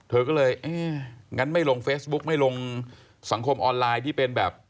เธอก็เลยเอ๊ะงั้นไม่ลงเฟซบุ๊กไม่ลงสังคมออนไลน์ที่เป็นแบบ